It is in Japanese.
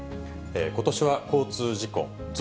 ことしは交通事故増。